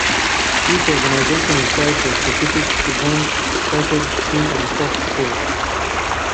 Each organization is tied to a specific events package seen on Fox Sports.